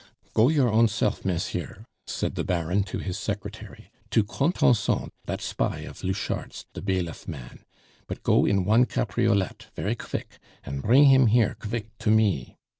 "Go your own self, mensieur," said the Baron to his secretary, "to Contenson, dat spy of Louchart's de bailiff man but go in one capriolette, very qvick, and pring him here qvick to me.